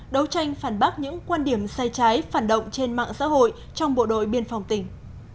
đấu tranh phản bác những quan điểm sai trái phản động trên mạng xã hội trong bộ đội biên phòng tỉnh